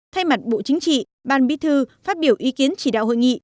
thay mặt bộ chính trị ban bí thư phát biểu ý kiến chỉ đạo hội nghị